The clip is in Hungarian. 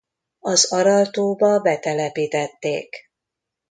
Az Aral-tóba betelepítették.